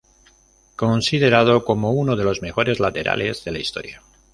Considerado como uno de los mejores laterales de la historia.